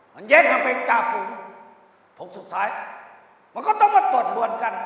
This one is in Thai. มันยังไม่จ่าฝุมภูมิสุดท้ายมันก็ต้องมาตรวจรวนกัน